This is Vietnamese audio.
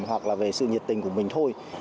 hoặc là về sự nhiệt tình của mình thôi